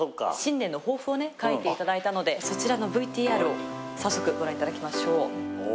新年の抱負を書いていただいたのでそちらのＶＴＲを早速ご覧いただきましょう。